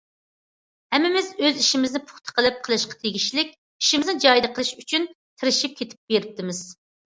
ھەممىمىز ئۆز ئىشىمىزنى پۇختا قىلىپ، قىلىشقا تېگىشلىك ئىشىمىزنى جايىدا قىلىش ئۈچۈن تىرىشىپ كېتىپ بېرىپتىمىز.